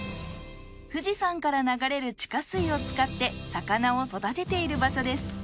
富士山から流れる地下水を使って魚を育てている場所です。